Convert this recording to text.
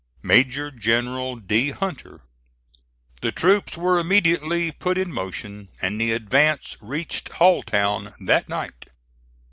"MAJOR GENERAL D. HUNTER." The troops were immediately put in motion, and the advance reached Halltown that night.